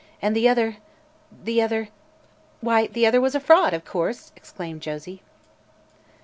And the other the other " "Why, the other was a fraud, of course," exclaimed Josie.